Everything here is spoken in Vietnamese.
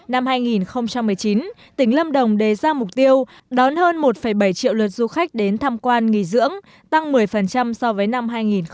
năm hai nghìn một mươi chín tỉnh lâm đồng đề ra mục tiêu đón hơn một bảy triệu lượt du khách đến tham quan nghỉ dưỡng tăng một mươi so với năm hai nghìn một mươi tám